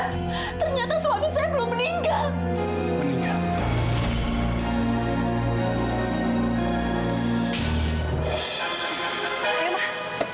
ternyata suami saya belum meninggal